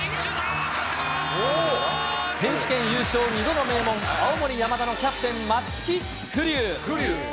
選手権優勝、２度の名門、青森山田のキャプテン、松木玖生。